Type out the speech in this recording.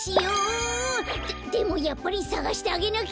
ででもやっぱりさがしてあげなきゃ！